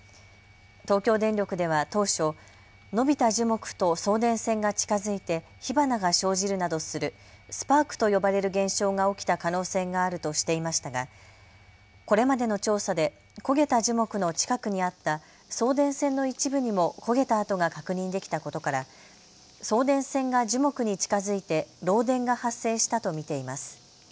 東京電力では当初、伸びた樹木と送電線が近づいて火花が生じるなどするスパークと呼ばれる現象が起きた可能性があるとしていましたがこれまでの調査で焦げた樹木の近くにあった送電線の一部にも焦げた跡が確認できたことから送電線が樹木に近づいて漏電が発生したと見ています。